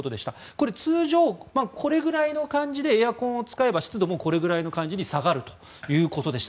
これ通常はこれくらいの感じでエアコンを使えば湿度もこれぐらいの感じに下がるということでした。